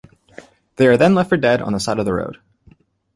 They are then left for dead on the side of the road.